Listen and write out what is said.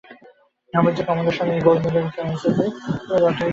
রমেশ যে কমলার স্বামী, এই গোলমালে সেই জনশ্রুতি যথেষ্ট ব্যাপ্ত হইতে থাকিবে।